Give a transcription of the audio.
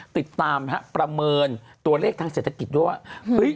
ติดตามนะครับประเมินตัวเลขทางเศรษฐกิจด้วย